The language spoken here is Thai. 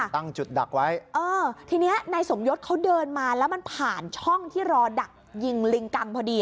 ตั้งจุดดักไว้เออทีนี้นายสมยศเขาเดินมาแล้วมันผ่านช่องที่รอดักยิงลิงกังพอดี